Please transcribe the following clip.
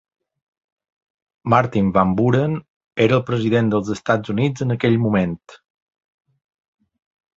Martin Van Buren era el president dels Estats Units en aquell moment.